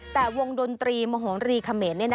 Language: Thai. แต่วงดนตรีมโหรีเขมร